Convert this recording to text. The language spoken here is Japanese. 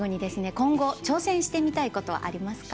今後挑戦してみたいことはありますか？